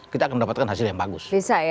kita akan mendapatkan hasil yang bagus